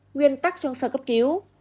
nguyên tắc trong sơ cấp cứu